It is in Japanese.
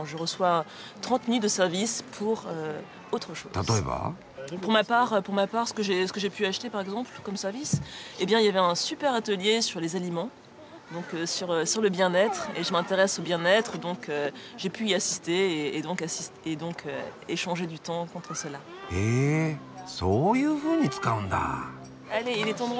例えば？へそういうふうに使うんだ。